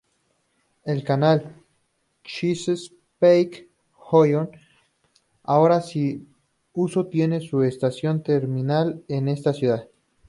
El canal Chesapeake-Ohio ahora sin uso tiene su estación terminal en esta ciudad.